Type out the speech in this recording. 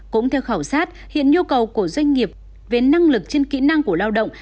cũng theo khảo sát hiện nhu cầu của doanh nghiệp về năng lực trên kỹ năng của lao động